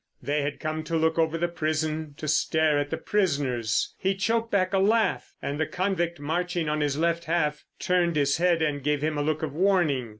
They had come to look over the prison, to stare at the prisoners. He choked back a laugh, and the convict marching on his left half turned his head and gave him a look of warning.